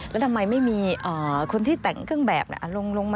แล้วทำไมไม่มีคนที่แต่งเครื่องแบบลงมา